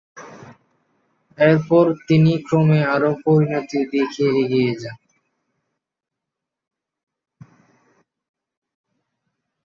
এরপর তিনি ক্রমে আরও পরিণতির দিকে এগিয়ে যান।